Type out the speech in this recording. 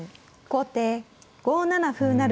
後手５七歩成。